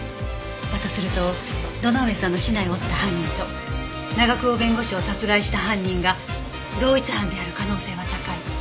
だとすると堂上さんの竹刀を折った犯人と長久保弁護士を殺害した犯人が同一犯である可能性は高い。